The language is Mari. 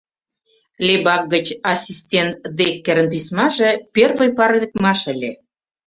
Лебак гыч ассистент Деккерын письмаже первый пар лекмаш ыле.